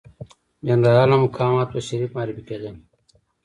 جنرالان او مقامات به شریف معرفي کېدل.